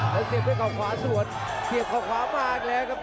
แล้วเสียบไปขวาขวาส่วนเสียบขวาขวามากแล้วครับ